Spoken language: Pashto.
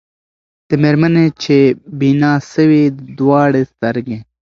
د مېرمني چي بینا سوې دواړي سترګي